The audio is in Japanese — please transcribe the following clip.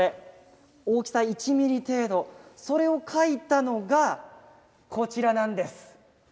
大きさが１ｍｍ程度それを描いたのがこちらの図です。